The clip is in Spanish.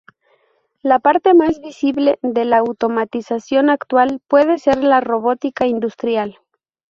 La parte más visible de la automatización actual puede ser la Robótica industrial.